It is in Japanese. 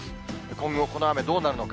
今後、この雨どうなるのか。